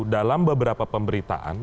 dalam beberapa pemberitaan